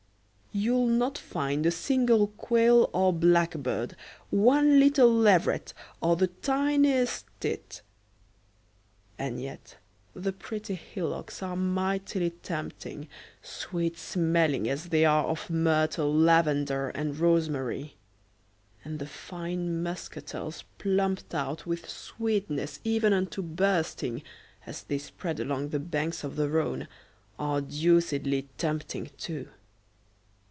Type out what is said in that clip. You'll not find a single quail or blackbird, one little leveret, or the tiniest tit. And yet the pretty hillocks are mightily tempting, sweet smelling as they are of myrtle, lavender, and rosemary; and the fine muscatels plumped out with sweetness even unto bursting, as they spread along the banks of the Rhone, are deucedly tempting too.